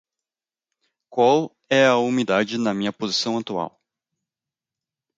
Qual é a umidade na minha posição atual?